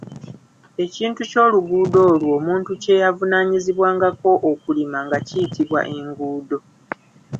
Ekintu ky'oluguudo olwo omuntu kye yavunaanyizibwangako okulima nga kiyitibwa enguudo.